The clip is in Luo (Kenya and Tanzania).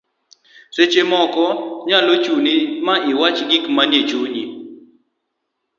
seche moko nyalo chuni ma iwach gik manie chunyi